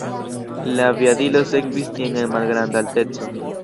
La aviadilo sekvis tien en malgranda alteco.